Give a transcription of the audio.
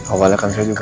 awalnya kan saya juga